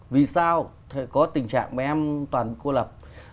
vì sao có tình trạng mà an toàn cô lập